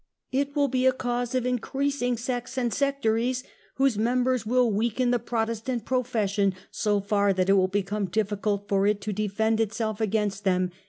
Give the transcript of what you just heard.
It will be a cause of increasing sects and sectaries, whose numbers will weaken the Protestant profession so far that it will become difficult for it to defend itself against them